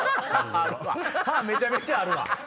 歯めちゃめちゃあるわ！